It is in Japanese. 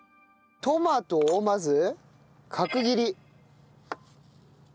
トマトをまず角切り。